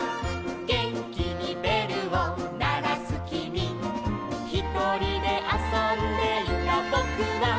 「げんきにべるをならすきみ」「ひとりであそんでいたぼくは」